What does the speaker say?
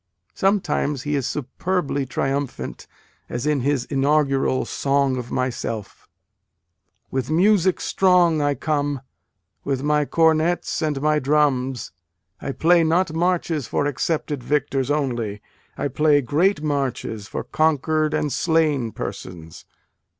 Sometimes he is superbly triumphant, as in his inaugural Song of Myself: With music strong I come with my cornets and my drums, I play not marches for accepted victors only, I play great marches for conquer d and slain persons.